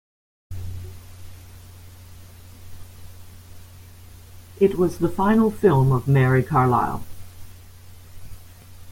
It was the final film of Mary Carlisle.